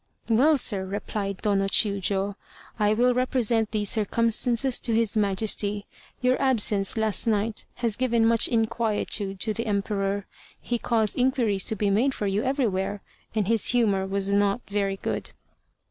"Well, sir," replied Tô no Chiûjiô, "I will represent these circumstances to his Majesty. Your absence last night has given much inquietude to the Emperor. He caused inquiries to be made for you everywhere, and his humor was not very good."